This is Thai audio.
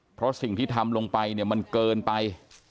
เพราะสิ่งที่ทำลงไปเนี่ยมันเกินไป